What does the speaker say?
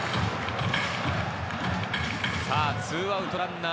さぁ２アウトランナー